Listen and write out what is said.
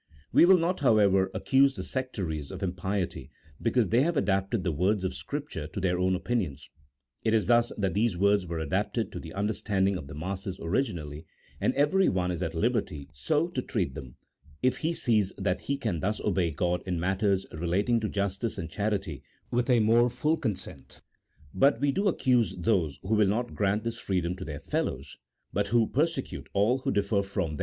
We will not, however, accuse the sectaries of impiety because they have adapted the words of Scripture to their own opinions ; it is thus that these words were adapted to the understanding of the masses originally, and everyone is at liberty so to treat them if he sees that he can thus obey God in matters relating to justice and charity with a more full consent : but we do accuse those who will not grant this freedom to their fellows, but who persecute all who differ from CHAP.